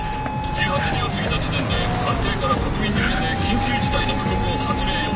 １８時を過ぎた時点で官邸から国民に向けて緊急事態の布告を発令予定。